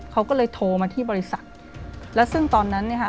เขาก็เลยโทรมาที่บริษัทและซึ่งตอนนั้น